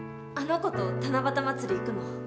あの子と七夕祭り行くの？